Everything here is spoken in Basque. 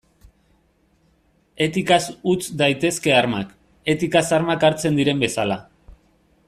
Etikaz utz daitezke armak, etikaz armak hartzen diren bezala.